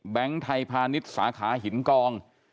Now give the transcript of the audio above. ไทยพาณิชย์สาขาหินกอง